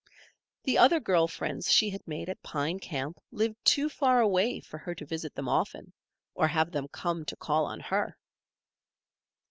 The other girl friends she had made at Pine Camp lived too far away for her to visit them often or have them come to call on her.